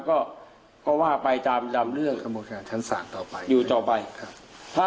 ก็ก็ว่าไปตามดำเรื่องทำสารต่อไปอยู่ต่อไปครับถ้า